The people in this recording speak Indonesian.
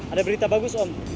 ada berita bagus om